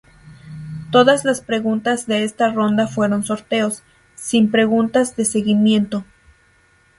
Todas las preguntas de esta ronda fueron sorteos, sin preguntas de seguimiento.